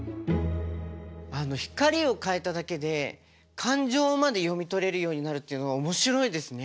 光を変えただけで感情まで読み取れるようになるっていうのは面白いですね。